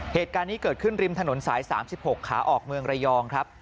เหตุการณ์นี้เกิดขึ้นริมถนนสาย๓๖ขาออกเมืองระยองครับ